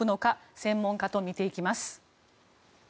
専門家と見ていきます。